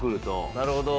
なるほど。